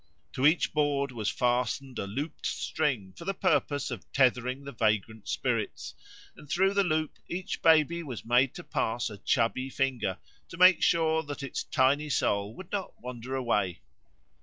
To each board was fastened a looped string for the purpose of tethering the vagrant spirits, and through the loop each baby was made to pass a chubby finger to make sure that its tiny soul would not wander away.